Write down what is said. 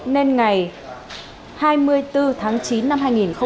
nên ngày hai mươi bốn tháng chín năm hai nghìn một mươi hai